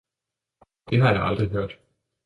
det har jeg aldrig hørt!